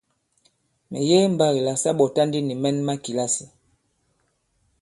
Mɛ̀ yege mbagì la sa ɓɔ̀ta ndi nì mɛn ma kìlasì.